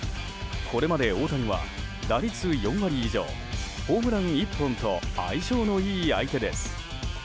これまで大谷は、打率４割以上ホームラン１本と相性のいい相手です。